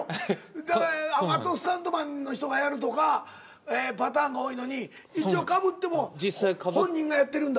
だからあとスタントマンの人がやるとかパターンが多いのに一応かぶっても本人がやってるんだ。